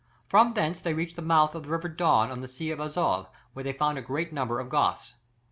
From thence they reached the mouth of the river Don on the Sea of Azov where they found a great number of Goths.